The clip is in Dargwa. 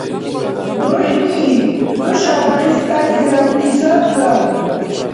ДурхӀни, хӀуша Дагъистайзирадти саррав?